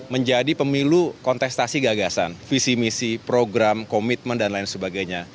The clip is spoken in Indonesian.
menjadi pemilu kontestasi gagasan visi misi program komitmen dan lain sebagainya